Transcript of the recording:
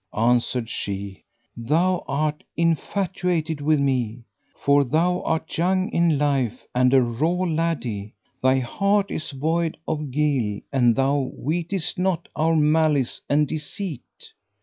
Answered she, "Thou art infatuated with me; for thou art young in life and a raw laddie; thy heart is void of guile and thou weetest not our malice and deceit.